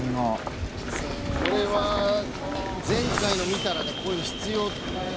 これは前回の見たらこういうの必要ですよね。